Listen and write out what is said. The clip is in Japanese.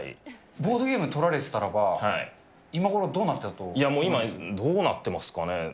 ボードゲームがなかったら今いや、もう今、どうなってますかね？